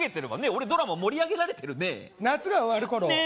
俺ドラマ盛り上げられてるね夏が終わる頃ねえ